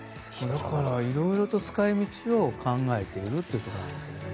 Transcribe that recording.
いろいろと使い道を考えているということです。